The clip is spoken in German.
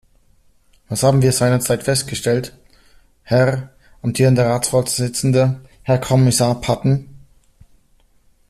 Was haben wir seinerzeit festgestellt, Herr amtierender Ratsvorsitzender, Herr Kommissar Patten?